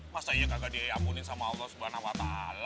masa iya kagak diampunin sama allah swt